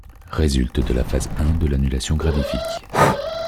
Résulte de la Phase Un de l'annulation gravifique.